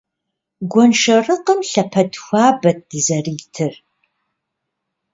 Гуэншэрыкъым лъэпэд хуабэт дызэритыр.